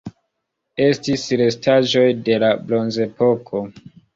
Estis restaĵoj de la Bronzepoko.